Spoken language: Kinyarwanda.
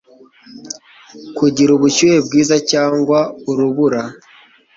kugira ubushyuhe bwiza cyangwa urubura